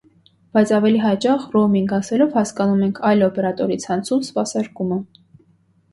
Բայց ավելի հաճախ ռոումինգ ասելով հասկանում ենք այլ օպերատորի ցանցում սպասարկումը։